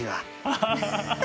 ハハハハ。